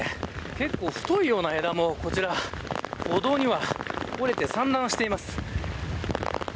結構太いような枝も、こちら歩道には折れて散乱しています。